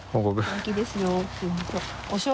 元気ですよっていうのと。